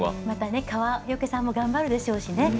また、川除さんも頑張るでしょうしね。